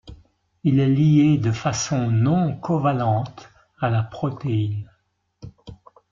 Il est lié de façon non covalente à la protéine.